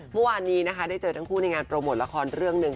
เมื่อวานนี้นะคะได้เจอทั้งคู่ในงานโปรโมทละครเรื่องหนึ่ง